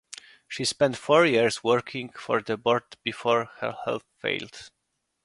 She spent four years working for the Board before her health failed.